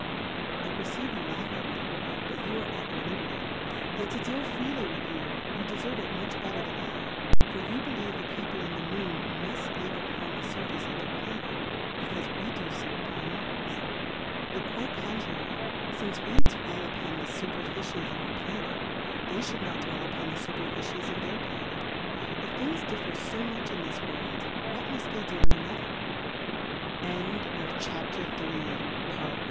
I perceive you laugh at me, but you are at your Liberty ; yet to deal freely with you, you deferve it much better than I; for you believe the People in the Moon muft live upon the Surface of their Plauct, becaufe we do fo upon * ours. Plurality ^/WORLDS. 87 ours, but quite contrary, fince we dwell upon the Superficies of our Pla net, they fhould not dwell upon the Superficies of their Planet ; If things differ fo much in this World, what muft they do i